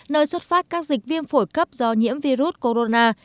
nơi xuất phát các dịch viêm phổi cấp do nhiễm virus corona